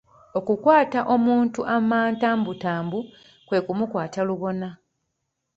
Okukwata omuntu amantambutambu kwe ku mukwata lubona.